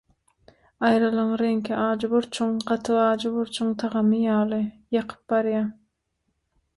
Aýralygyň reňki – ajy burçuň, gaty ajy burçuň tagamy ýaly, ýakyp barýar.